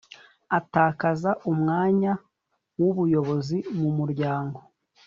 atakaza umwanya w ubuyobozi mu muryango